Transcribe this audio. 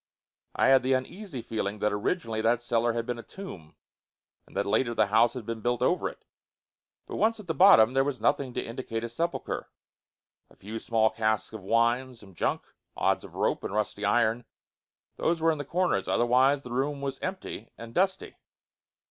I had the uneasy feeling that originally that cellar had been a tomb and that later the house had been built over it. But, once at the bottom, there was nothing to indicate a sepulcher. A few small casks of wine, some junk, odds of rope and rusty iron, those were in the corners; otherwise, the room was empty, and dusty.